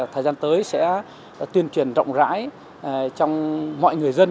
thời gian tới sẽ tuyên truyền rộng rãi trong mọi người dân